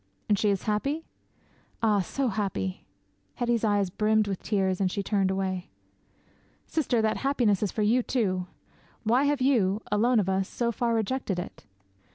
'"And she is happy?" '"Ah, so happy!" Hetty's eyes brimmed with tears and she turned away. '"Sister, that happiness is for you, too. Why have you, alone of us, so far rejected it?"